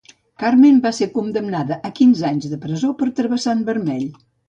Carmen va ser condemnada a quinze anys de presó per travessar en vermell.